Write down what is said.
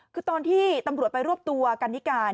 คือตอนที่ตำรวจไปรวบตัวกันนิกา